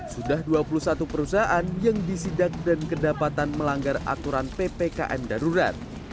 sudah dua puluh satu perusahaan yang disidak dan kedapatan melanggar aturan ppkm darurat